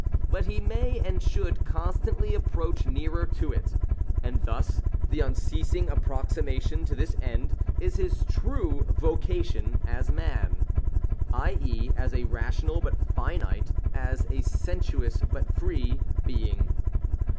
But he may and should constantly approach nearer to it :— and thus the unceasing approximation to this end is his true vocation as Man; i. e. as a rational but finite, as a sensuous but free being.